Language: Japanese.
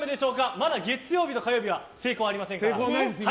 まだ月曜日と火曜日は成功ありませんから。